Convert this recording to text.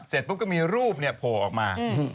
เสร็จปุ๊บก็มีรูปโผล่ออกมา